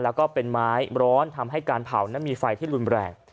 แล้วก็เป็นไม้ร้อนทำให้การเผานั้นมีไฟที่รุนแรง